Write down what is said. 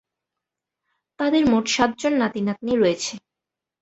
তাদের মোট সাতজন নাতি নাতনি রয়েছে।